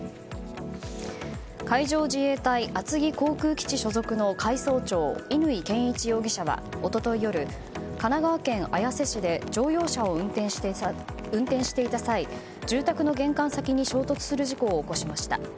海上自衛隊厚木航空基地所属の海曹長乾健一容疑者は一昨日夜神奈川県綾瀬市で乗用車を運転していた際住宅の玄関先に衝突する事故を起こしました。